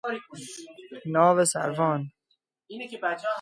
ناوسروان